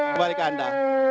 kembali ke anda